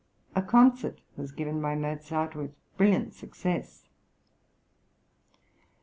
A concert was given by Mozart with brilliant success.